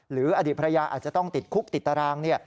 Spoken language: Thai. อดีตภรรยาอาจจะต้องติดคุกติดตาราง